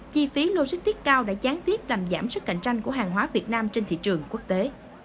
chi phí logistics cao đã gián tiếp làm giảm sức cạnh tranh của hàng hóa việt nam trên thị trường quốc tế